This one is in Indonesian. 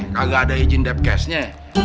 kagak ada izin depkesnya